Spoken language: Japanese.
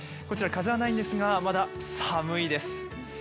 こちら、風はないんですが、寒いです。